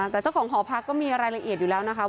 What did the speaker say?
แต่เจ้าของหอพักก็มีรายละเอียดอยู่แล้วนะคะ